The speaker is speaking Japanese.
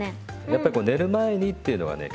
やっぱりこう寝る前にっていうのはね